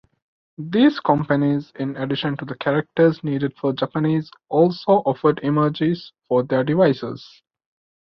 These companies, in addition to the characters needed for Japanese, also offered emojis for their devices.